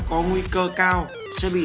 có nguy cơ cao sẽ bị